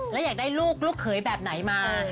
แล้วอยากได้ลูกลูกเขยแบบไหนมา